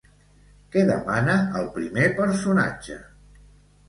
Què demana el primer personatge?